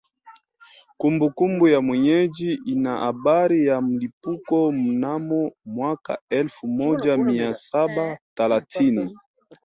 Kumbukumbu ya wenyeji ina habari ya mlipuko mnamo mwaka elfu moja mia saba thelathini